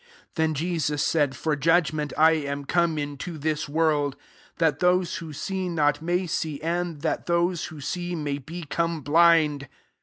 39 Then Jesus said, « For judgment I am come into th!$ world : that those who see lK>t» may see; and that those who see, may become blind."